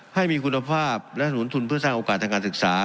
ให้มีคุณภาพและสนุนทุนเพื่อสร้างโอกาสทางการศึกษา